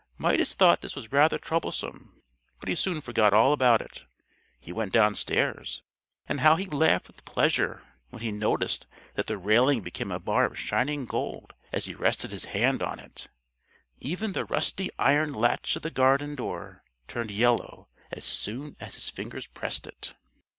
Midas thought this was rather troublesome, but he soon forgot all about it. He went downstairs, and how he laughed with pleasure when he noticed that the railing became a bar of shining gold as he rested his hand on it; even the rusty iron latch of the garden door turned yellow as soon as his fingers pressed it.